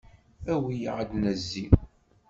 Awi-yaɣ ad d-nezzi.